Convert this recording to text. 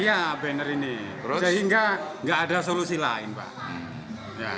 iya banner ini sehingga nggak ada solusi lain pak